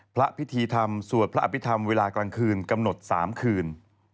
พระพิธีธรรมสวดพระอภิษฐรรมเวลากลางคืนกำหนด๓คืน